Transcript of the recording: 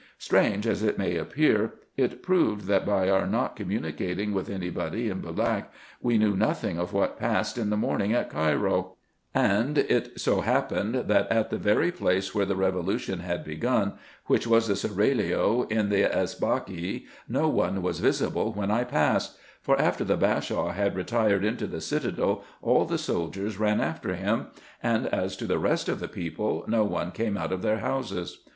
Strange as it may appear, it proved, that by our not communicating with any body in Boolak, we knew nothing of what passed in the morning at Cairo ; and it so happened, that at the very place where the c 10 RESEARCHES AND OPERATIONS revolution had begun, which was the seraglio, in the Esbakie, no one was visible when I passed; for after the Bashaw had retired into the citadel, all the soldiers ran after him ; and as to the rest of the people, no one came out of their houses.